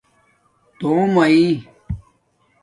تݸم آئئ